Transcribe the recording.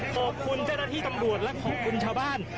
ขอบคุณเจ้าหน้าที่ตำรวจและขอบคุณชาวบ้าน